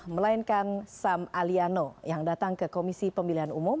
melainkan sam aliano yang datang ke komisi pemilihan umum